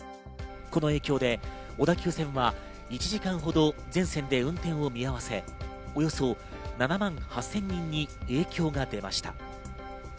この影響で小田急線は１時間ほど全線で運転を見合わせ、およそ７万８０００人に影響が出ました。